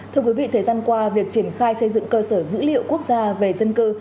thưa quý vị thời gian qua việc triển khai xây dựng cơ sở dữ liệu quốc gia về dân cư